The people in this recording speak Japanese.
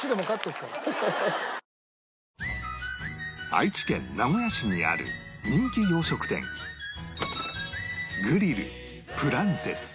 愛知県名古屋市にある人気洋食店グリルプランセス